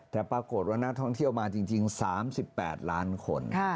แต่ปรากฏว่านักท่องเที่ยวมาจริง๓๘ล้านคน